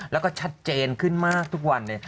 แล้วก็ชัดเจนขึ้นมากทุกวันเลย